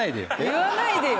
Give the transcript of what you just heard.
言わないでよ。